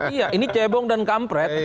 iya ini cebong dan kampret